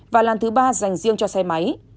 và làn thứ ba dành riêng cho xe máy